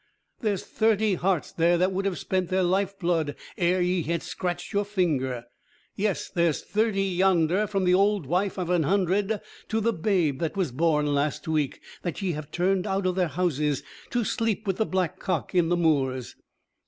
There's thirty hearts there that would have spent their life blood ere ye had scratched your finger. Yes, there's thirty yonder, from the old wife of an hundred to the babe that was born last week, that ye have turned out o' their houses, to sleep with the black cock in the moors!